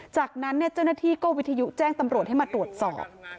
จากนั้นเจ้าหน้าที่ก็วิทยุแจ้งตำรวจให้มาตรวจสอบ